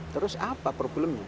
terima kasih baik sekali ya pak bunda